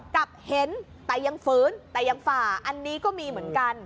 กับเห็นแต่ยังฝืนแต่ยังฝ่าอันนี้ก็มีเหมือนกัน